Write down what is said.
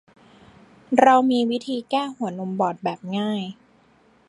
เรามีวิธีแก้หัวนมบอดแบบง่าย